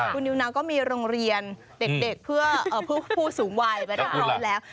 คุณนิวนาวก็มีโรงเรียนเด็กเพื่อผู้สูงวัยไปเรียบร้อยแล้ว